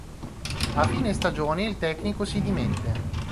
A fine stagione il tecnico si dimette.